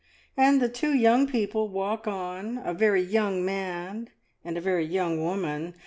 And the two young people walk on — a very young man and a very young woman.